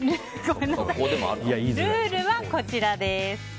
ルールはこちらです。